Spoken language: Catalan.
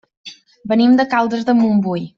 Venim de Caldes de Montbui.